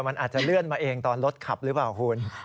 มันอาจจะเลื่อนมาเองตอนรถขับหรือเปล่าคุณ